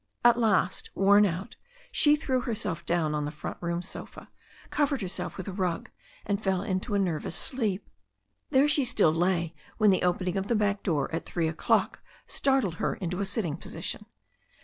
At last, worn out, she threw herself down on the front room sofa, covered herself with a rug, and fell into a nervous sleep. There she still lay when the opening of the back door at three o'clock startled her into a sitting position.